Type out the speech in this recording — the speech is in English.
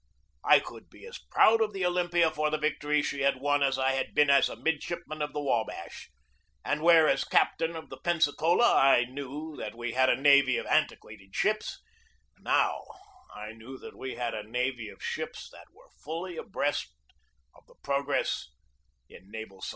I could be as proud of the Olympia for the victory she had won as I had been as a midshipman of the W abash; and where as captain of the Pensacola I knew that we had a navy of antiquated ships, now I knew that we had a navy of ships that were fully abreast of the progress in naval science.